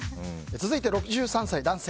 続いて６３歳男性。